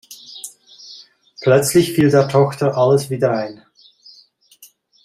Plötzlich fiel der Tochter alles wieder ein.